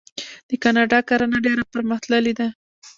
د کاناډا کرنه ډیره پرمختللې ده.